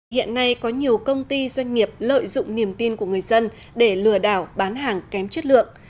hiện nay có nhiều công ty doanh nghiệp lợi dụng niềm tin của người dân để lừa đảo bán hàng kém chất lượng